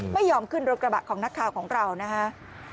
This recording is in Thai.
ไม่ยอมขึ้นรถกระบะของนักข่าวของเรานะฮะ